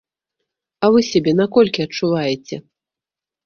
А вы сябе на колькі адчуваеце?